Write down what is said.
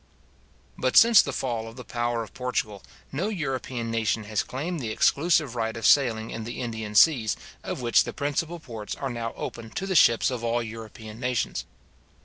But since the fall of the power of Portugal, no European nation has claimed the exclusive right of sailing in the Indian seas, of which the principal ports are now open to the ships of all European nations.